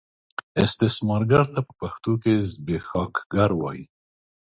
استثمارګر ته په پښتو کې زبېښاکګر وايي.